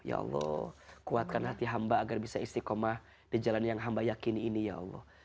ya allah kuatkan hati hamba agar bisa istiqomah di jalan yang hamba yakini ini ya allah